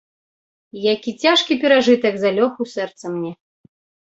Які цяжкі перажытак залёг у сэрца мне.